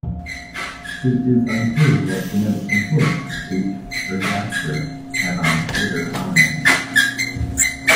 It is unclear what genetic influence "H. ergaster" had on later hominins.